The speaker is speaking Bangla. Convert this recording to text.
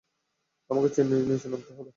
আমাকে নিচে নামাতে বলো।